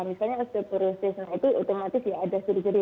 misalnya osteoporosis nah itu otomatis ya ada ciri ciri